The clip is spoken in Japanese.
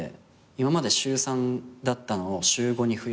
今まで週３だったのを週５に増やして。